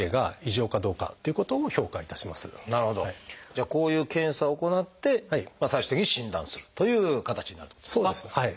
じゃあこういう検査を行って最終的に診断するという形になるってことですか？